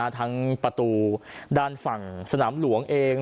ทั้งประตูด้านฝั่งสนามหลวงเอง